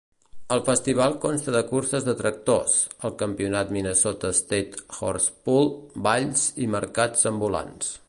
El festival consta de curses de tractors, el campionat Minnesota State Horsepull, balls i mercats ambulants.